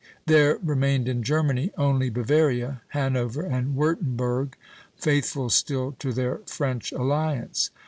There remained in Germany only Bavaria, Hanover, and Wurtemberg faithful still to their French alliance.